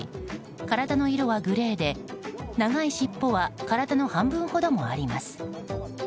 体の色はグレーで長い尻尾は体の半分ほどもあります。